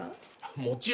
もちろん。